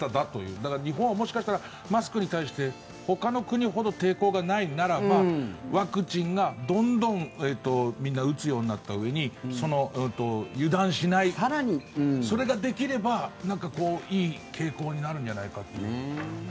だからもしかしたら日本はマスクなしに対してほかの国ほど抵抗がないならばワクチンがどんどんみんな打つようになったうえに油断しない、それができればいい傾向になるんじゃないかと。